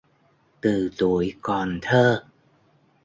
Từ tuổi còn thơ